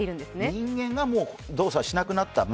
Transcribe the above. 人間がもう、動作しなくなった？